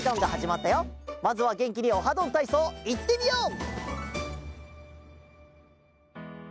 まずはげんきに「オハどんたいそう」いってみよう！